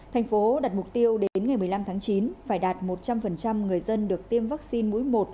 thành phố đặt mục tiêu đến ngày một mươi năm tháng chín phải đạt một trăm linh người dân được tiêm vaccine mũi một